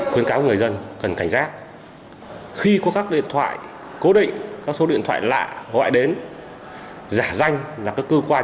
khuyến cáo người dân cần cảnh giác khi có các điện thoại cố định các số điện thoại lạ gọi đến giả danh là các cơ quan